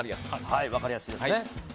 分かりやすいですね。